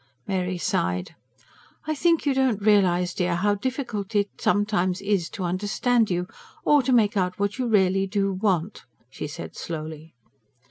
Mary sighed. "I think you don't realise, dear, how difficult it sometimes is to understand you ... or to make out what you really do want," she said slowly.